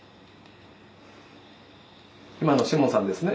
今のシモンさんですね？